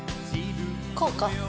こうか